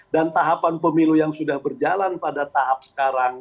dan tahapan pemilu yang sudah berjalan pada tahap sekarang